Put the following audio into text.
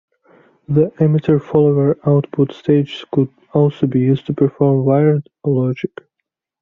The emitter follower output stages could also be used to perform wired-or logic.